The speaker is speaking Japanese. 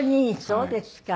そうですか。